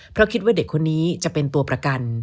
เพราะคิดว่าเด็กคนนี้จะเป็นตัวประกัน